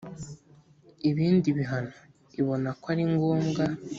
ibindi bihano ibona ko ari ngombwa